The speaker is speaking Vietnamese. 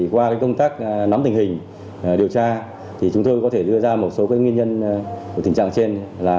qua công tác nắm tình hình điều tra chúng tôi có thể đưa ra một số nguyên nhân của tình trạng trên là